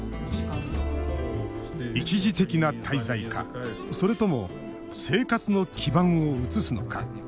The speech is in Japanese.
一時的な滞在かそれとも生活の基盤を移すのか。